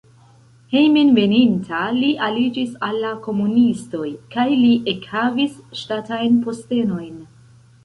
Hejmenveninta li aliĝis al la komunistoj kaj li ekhavis ŝtatajn postenojn.